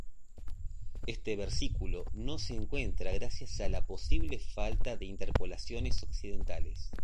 Este versículo no se encuentra gracias a la posible falta de interpolaciones occidentales.